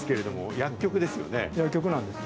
薬局なんですよ。